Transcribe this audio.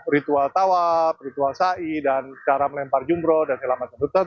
ritual tawab ritual sa i dan cara melempar jumroh dan selamatkan